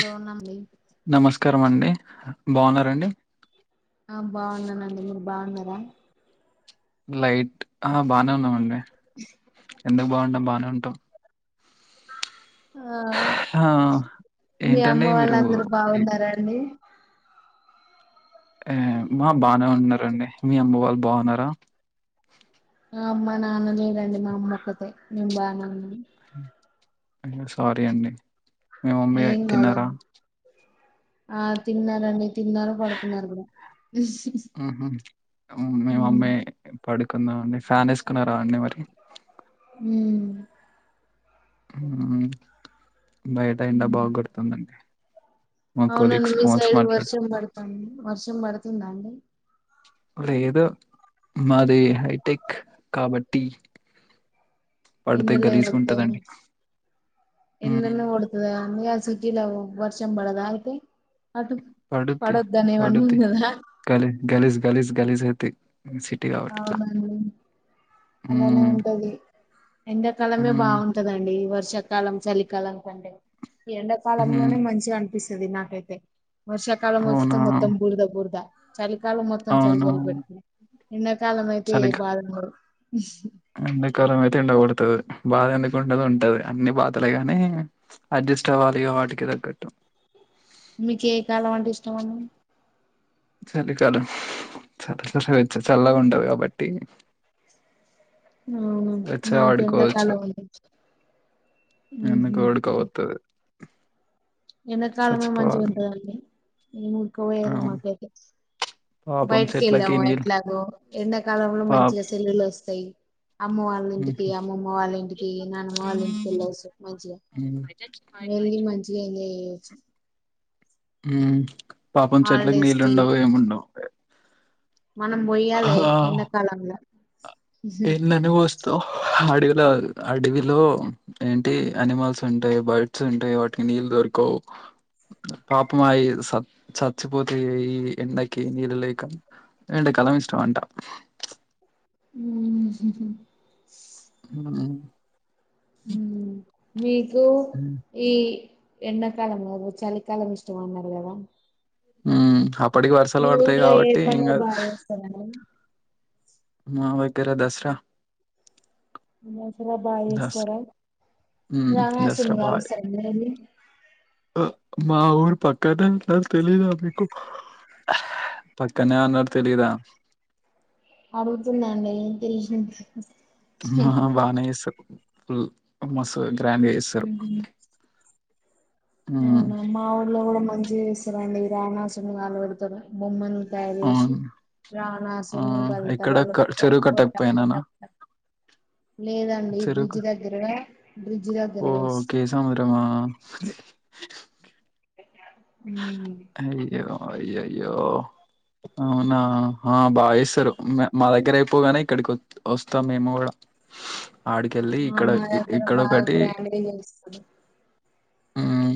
లోన్నం లీ నమస్కారం అండి. బాగున్నారండి ఆ బాగున్నానండి. మీరు బాగున్నారా? లైట్ ఆ బానే ఉన్నాం అండి ఎందుకు బాగుండం బానే ఉంటాం. ఆ ఆ మీ అమ్మ ఏంటండి మీరు వాళ్ళందరు బాగున్నారండి. ఏ మా బానే ఉన్నారండి మీ అమ్మ వాళ్ళు బాగున్నారా. ఆ మా నాన్న లేడండి మా అమ్మ ఒక్కతే మేం బానే ఉన్నాం. సారీ అండి మీ మమ్మీ ఏం తిన్నారా. కాదండి ఆ తిన్నారండి తిన్నారు పడుకున్నారు కూడా ఉహు హ్మ్ పడుకుందాం అండి ఫ్యాన్ వేసుకున్నారా అండి మరి. హ్మ్ హ్మ్ బయట ఎండా హ్మ్ బాగు కొడుతాందండి. అవునండి మీసైడ్ వర్షం పడుతాంది వర్షం పడుతుందాండి. లేదు మాది హైటెక్ కాబట్టి. పడితే ఎండలే గలీజుగా కొడుతో ఉంటదండి ఎండ ఉమ్ నే కొడతదా ఆ సిటీలా వర్షం బడదా అయితే. అటు పడుద్ది పడొద్దని ఏమన్నా పడుద్ది ఉన్నదా గలి గలిస్ గలిస్ గలిస్ గయ్తయ్ సిటీ కాబట్ అవునండి అలానే హ్మ్ ఉంటది ఎండాకాలమే హ్మ్ బాగుంటదండి వర్షాకాలం చలికాలం కంటే. హ్మ్ ఎండాకాలంలోనే మంచిగా అనిపిస్తది నాకైతే. వర్షాకాలం వస్తే అవునా మొత్తం బురదా బురదా చలికాలం మొత్తం చలి అవును చలి పెడుతద్ కాలం అయితే బాదుండదు ఎండకాలం అయితే ఎండకొడతది బాధ ఎందుకుంటది ఉంటది అన్ని బాతలే గాని అ అడ్జస్ట్వాలిగా వాటికి తగ్గట్టు మీకే కాలం అంటే ఇష్టమండి. చలి కాలం చ చచ్చ చల్గా ఉంటది కాబట్టి. అవును వెచ్చగా పడుకోవచ్చు నాకెంతకాలం అంటే హ్మ్ ఎందుకు హు ఉడకపోతది ఎండకాలమే సచ్చిపోవాలి మంచికుంటదండ్ ఏమ్ ఉడక పోయద్ అవును మాకైతే పాపం బయటికి చెట్లకి వెళ్ళము నీళ్ళు ఎట్లాగో ఎండాకాలంలో పాప్ మంచిగా సెలుల్లు వస్తాయి. అమ్మ వాళ్ళ ఇంటికి అమ్మమ్మ వాళ్ళ ఇంటికి నానమ్మ వాళ్ళ ఇంటికి వెళ్ళసు మంచిగా వెళ్ళి మంచిగా ఎంజాయ్ చేయొచ్చు. పాపం చెట్ల హాలిడేస్ కి నీళ్ళండవ్ ఏముండవ్ మనం మొయ్యాలే ఎన్న కాలంల తేల్ నన్నీ పోస్తవ్ ఆడ్గా ఇలా అడవిలో ఏంటి అనిమల్స్ ఉంటయి బర్డ్స్ ఉంటయి వాటికి నీళ్ళు దొరకవు. పాపమ స చచ్చిపోతే ఈ ఎన్నకి నీరు లేేకం ఎండకాలం ఇష్టమంటా హ్మ్ హ మీకు ఉమ్, ఈ ఎన్న కాలం కాదు చలికాలం ఇష్టమన్నారు గదా ఉ అప్పటికి వరుసాలు పడతాయి ఏ కాబట్టి పండుగ ఏంకాదు. బాగా చేస్తారండి మా వగ్గరా దసరా దసరా బాగ్ దస్ చేస్తారా ఉమ్ దసరా రావనాసున్ని బాయ్ కాలుస్తరా మా ఊరు పక్కంట ఎ తెలీదా మీకు పక్కనే అన్నడు తెలీదా అడుగుతుందండి తెలిసింది ఆ బానే చేస్తారు మస గ్రాండ్గా చేస్తారు ఉమ్ అవునా మా ఊళ్ళలో కూడా మంచిగా చేస్తారండి రాణాసురిన్ని కాల పెడతారు బొమ్మని దయనించి అవును. ఆ! రావణాసురిని ఎక్కడ పదితలలు క చెరువు ఒక్కో టక్ కట్టకపోయినానా? టక్ లేదండి చెరువు క బ్రిడ్జ్ దగ్గరగా బ్రిడ్జి దగ్గర వస్ అదే ఉమ్మ్ అయ్యో! అయ్యయ్యో అవునా ఆ.. బా చేస్తారు మా దగ్గర అయిపోగానే ఇక్కడికి వత్ వస్తాం మేము కూడా ఆ మా దగ్గర బాగా ఇక్కడొకటి గ్రాండ్ చేస్తారు ఉమ్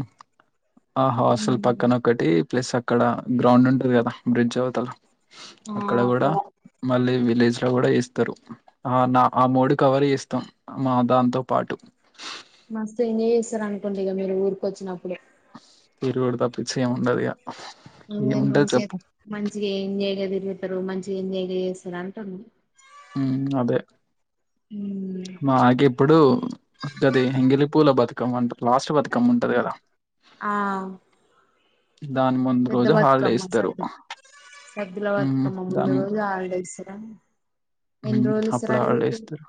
ఆ హాస్టల్ ఉమ్. పక్కన ఒకటి ప్లస్ అక్కడ గ్రౌండ్ ఉంటది కదా బ్రిడ్జ్ అవతల అక్కడ కూడా మళ్ళీ విలేజ్ ఇట్ల కూడా చేస్తారు ఆ న ఆ మూడు కవర్ చేస్తాం మా దాంతో పాటు మస్తు ఎంజాయ్ చేస్తారనుకుంట ఇగ మీరు ఊరిక వచ్చినప్పుడు తిరుగుడు తప్పించి ఏం ఉండదిగా అదే మంచిగా మంచిగా ఏం చెయ్యలేదు ఈళ్ళు అందరు మంచి ఎంజాయ్ చేస్తారు అంటుండ్రు ఉమ్ అదే ఉమ్ మాకిప్పుడు దది ఎంగిలి పూల బతుకమ్మ అంట లాస్ట్ బతుకమ్మ ఉంటది కదా ఆ దాని ముందు పెద్ద రోజు హాలిడే బతుకమ్మ ఇస్తారు సద్దు సద్దుల మ్మ్ బతుకమ్మ ముందు దాని రోజు హాల్డే ఇస్తారు అ అప్పుడు హాల్డే ఇస్తరు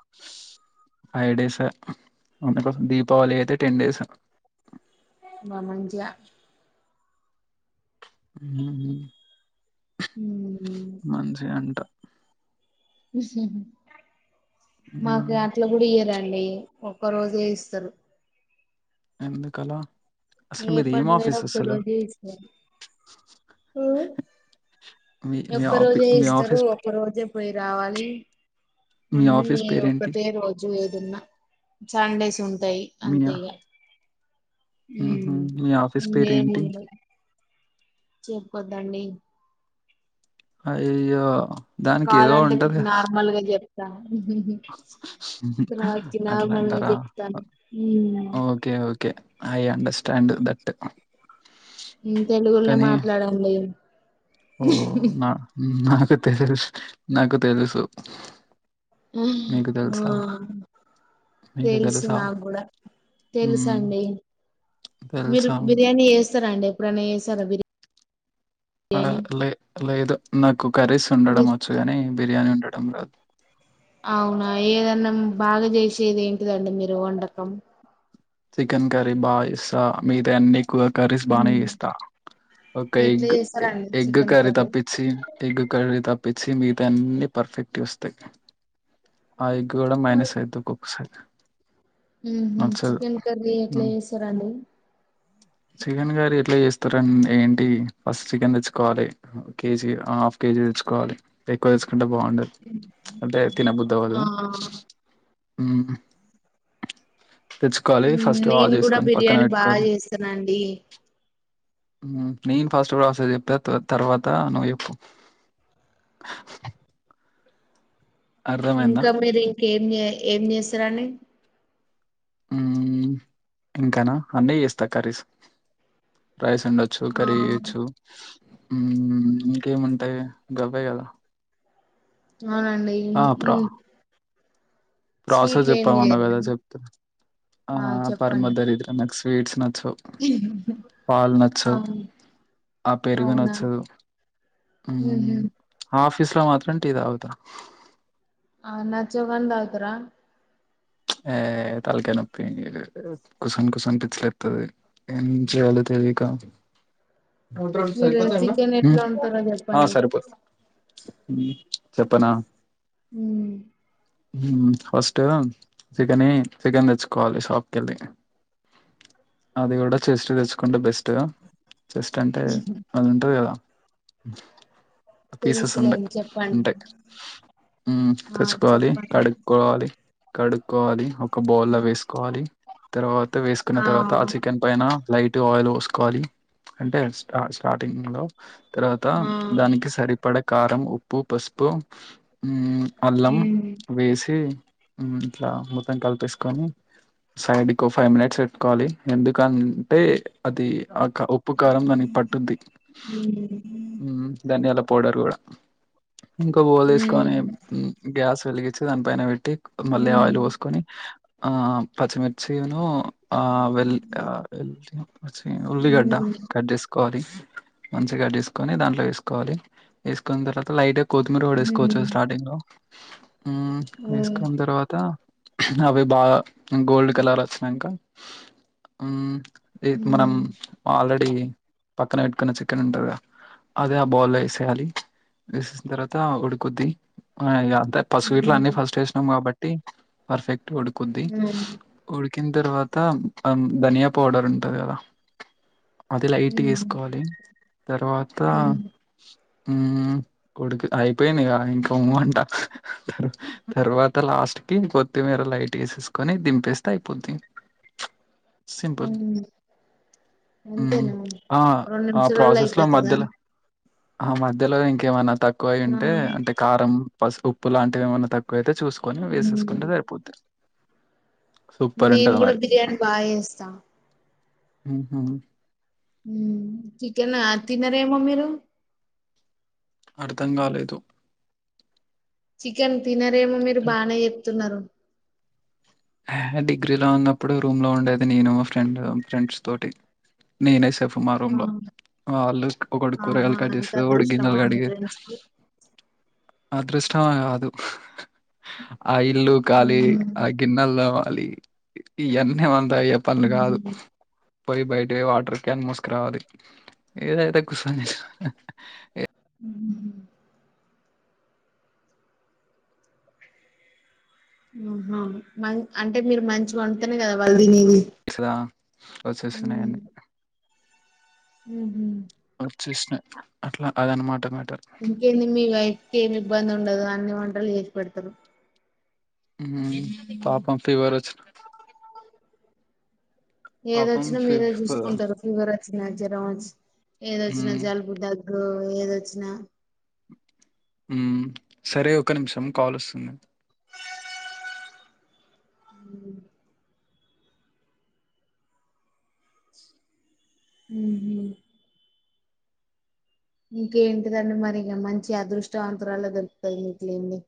ఫైవ్ డేస్ అ అందుకోసం దీపావళి అయితే టెన్ డేస్ బామంచిగా మ్ ఉమ్ హు మంచిగ అంట మాకు మ్మ్ అట్లా గూడ ఇయర అండి ఒక్క రోజే ఇస్తరు ఎందుకలా అసలు ఏ మీది ఏం పండగ అయిన ఆఫీస్ అసలు ఒకరోజే ఇస్తరు మ్మ్ మీ మీ ఆఫీ ఒక్కరోజే మీ ఇస్తరు ఆఫీస్ ఒక్కరోజే పోయి రావాలి మీ అన్నీ ఆఫీస్ పేరేంటి ఒకటే రోజు దున్న సండేస్ ఉంటాయి అంతే ఇగ మ్ హు మీ ఆఫీస్ పేరు ఏంటి చెప్పుకోద్దండి అయ్యయ్యో దానికి ఏదో కావాలంటే మీకు ఉంటది నార్మల్ గా చెప్తాను రాత్కి అట్ల నార్మల్ గా అంటార చెప్తాను um okay okay I understand that తెలుగులో మాట్లాడండి ఓ న నాకు తెలుస్ నాకు తెలుసు మీకు తెలుసా? మ్మ్ మీకు తెలుసు తెలుసా? నాకు గూడా హ్మ్. తెలుసండి మీరు తెలుసా? బిర్యానీ చేస్తారా అండి ఎప్పుడైనా చేసారా బిర్యా ఆ లే లేదు నాకు కర్రీస్ వండడం మీరు వచ్చు కాని బిర్యానీ వండడం రాదు బాగ చేసేది ఏంటిదండి మీరు వండకం చికెన్ కర్రీ బాగ చేస్తా మిగతాయన్ని ఎక్కువ కర్రీస్ బానే ఉమ్. చేస్తా ఒక ఎట్లా ఎగ్ చేస్తారండి ఎగ్ చికెన్ కర్రీ తప్పిన్చి ఎగ్ కర్రీ తప్పిచ్చి మీరు మిగతా అన్నిీ పర్ఫెక్ట్ వస్తాయి ఆ ఎగ్ కూడ మ్యానేజ్ అయితది ఒొక్కసారి ఊహు చికెన్ కర్రీ ఎట్ల ఉమ్. చేస్తరండి చికెన్ కార్రీ ఎట్ల చేస్తా రెండి ఏంటి ఫస్ట్ చికెన్ తెచ్చుకోవాలె కేజీ హాఫ్ కేజీ ఈ తెచ్చుకోవాలి ఎక్కువ తెసుుకుంటే బాగుండదు అంటే తినబుద్ది అవ్వదు ఆ తెచ్చుకోవాలి ఫస్ట్ బాగ చేసుకొని పక్కన పెట్టుకోవాలి తెనండి నేను ఫాస్ట్ ఫాస్ట్ గా చెప్పా తర్వాత నువ్వు చెప్పు అర్థమైందా ఇంకా మీరు ఇంకేం చే ఏం చేస్తారండి ఇంకనా అన్నీ చేస్తా కర్రీస్ రైస్ ఉండొచ్చు ఆ కర్రీ చేయచ్చు ఇంకేముంటాయి ఇంక గవ్వే కదా అవునండి ప్రోస స్వీట్లు ఏం చెప్పామన్నా కదా చేయరండి చెప్పు ఆ పర్మదరిద్రం నాకు స్వీట్స్ న పాలు నచ్చవు అవును ఆ పెరుగు నచ్చదు ఊహు ఫీస్ లో మాత్రం టీ తాగుతా నచ్చవ్ కాని తాగుతరా యే తాల కాయ్ నొప్పి కుసన్ కుసన్ పిచ్చి లేత్తది ఏ చెాల ఐ కొంచం ఉమ్ మీరు చికెన్ ఎట్లా వండుతారో ఆ చెప్పండి సరిపోతాయ్ ఉ చెప్పనా ఉ ఫస్ట్ ఇగ చికెన్ చికెన్ తెచ్చుకోవాలి షాప్ కెళ్ళి అది కూడ చేస్ట్ తెచ్చుకుంటే బెస్ట్ చెస్ట్ అంటే అది ఉంటది కదా పీసెస్ ఉండయి తెలుసులేండి చెప్పండి ఉంటయి ఉమ్ ఆ తెచ్చుకోవాలి చెప్పండి కడుక్కోవాలి కోవాలి ఒక బౌల్ లో వేసుకోవాలి తర్వాత వేసుకున్న తర్వాత ఆ చికెన్ పైన లైట్ ట్గా ఆయిల్ పోసుకోవాలి అంటే స్ స్టార్టింగ్ లో తర్వత ఆ దానికి సరిపడ కారం ఉప్పు పసుపు ఉ అల్లం మ్మ్ వేసి ఇట్ల మొత్తం కలిపేసుకొని సైడ్ కి ఒక ఫైవ్ మినిట్స్ పెట్టుకోవాలి ఎందుకు అంటే అది ఆ ఉప్పు కారం దానికి పట్టుద్ది మ్మ్ ఉమ్ ధనియాలు పౌడర్ కూడ ఇంకో బోలు తీసుకొని మ్మ్ గ్యాస్ వెలిగించి దాని పైన పెట్టి మళ్లె ఆయిల్ మ్మ్ పోసుకొని ఆ పచ్చిమిర్చిను ఆ వెల్ వె చ్చి ఉల్లిగడ్డ మ్మ్ కట్ చేసుకోవాలి మంచిగ తీసుకొని దాంట్లో వేసుకోవాలి వేసుకున్న తర్వాత లైట్ కొత్తిమీర కూడ వేసుకోవచ్చు మ్మ్ స్టార్టింగ్ లో అంతేనా వేసుకున్న తర్వాత అవి బాగ గోల్డ్ కలర్ వచ్చినాక టె మనం ఆల్రెడీ పక్కన పెట్టుకున్న చికెన్ ఉంటది గా అదే ఆ బౌల్ లో వేసేయాలి వేసేసిన తర్వాత ఉడుకుద్ది ఆ ఇగ అ పసుపూగిట్ల అన్ని ఫస్ట్ వేసినాం కాబట్టి పర్ఫెక్ట్ ఉడుకుద్ది ఉడికిన తర్వ త ఆ ధనియా పౌడర్ ఉంటది కదా అది లైట్ గేసుకోవాలి తర్వాత ఉ కొడుకు అయిపోయిందిగా ఇంక ఉ అంట తర్వా తర్వాత్ అంత లాస్ట్ కి కొత్తిమీర లైట్ గేసేసుకొని దింపేస్తే అయిపొద్ది హ్మ్ అంతేనా ఆ రెండు ఆ నిమిషలల్ల ప్రాసెస్ లో అయిపోతదా మధ్యల ఆ మధ్యలో ఇంకేమన తక్కువ అయి ఆ ఉంటే అంటే కారం పసుపు ఉప్పు లాంటివి ఏమన్న తక్కువ అయితే చూసుకో నీ వేసేసుకుంటే ఉమ్. సరిపొద్దీ నేను కూడా బిర్యానీ బాగా చేస్తా ఉ హా చికెనా తినరేమో మీరు అర్థం కాలేదు చికెన్ తినరేమో మీరు హల్ బానే చెప్తున్నారు ఆ డిగ్రీ లో ఉన్నప్పుడు రూమ్ లో ఉండేది నేను మా ఫ్రెండ్ ఫ్రెండ్స్ తోటి నేను సేఫ్ మా రూమ్ ఆ, లో వాళ్ళు ఒకడు ఆహా కూరగాయలు కట్ ఎంత చేసేది ఒకడు గిన్నెలు అదృష్టమా మీ కడిగేది ఫ్రెండ్స్ కి అదృష్టం ఆదు ఆ ఇల్లు ఉకాలి ఆ ఉమ్, గిన్నెల్ తోమాలి ఇయన్నీ మంతో అయ్యే పనులు కాదు ఉమ్, పోయి బయట వాటర్ క్యాన్ మూసుకురావాలి ఏదైతే కూస ఉహు ఆహా మా అంటే మీరు మంచిగా వండుతనే కదా వాళ్ళు తినేది దా వచ్చేస్తున్నాయి ఉమ్, అన్ని ఉహు వచ్చేసినాయి అట్లా అదనమాట మారీ ఇంకేంది మీ వైఫ్కి ఏమి ఇబ్బంది ఉండదు అన్ని వంటలు చేసి పెడతారు ఉహ్ పాపం ఫీవర్ ఒచ్చిన ఏదొచ్చినా ఫీ మీరే చూసుకుంటారు ఫీవర్ ఆ వచ్చనా జ్వరం వచ్చనా ఏదొచ్చినా ఉమ్ జలుబు దగ్గు ఏదొచ్చినా ఉ సరే ఒక నిమిషం కాల్ వస్తుంది అ ఉహు ఇంకేంటిదండి మరి ఇగ మంచి అదృష్టవంతరాలే దొరుకుతది మీకు లేండి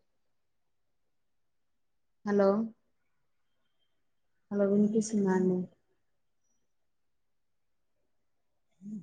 హలో అలా వినిపిస్తుందా అండి ఉ